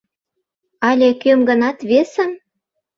Але кӧм-гынат весым?